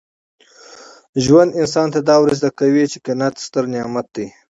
ژوند انسان ته دا ور زده کوي چي قناعت ستر نعمت دی.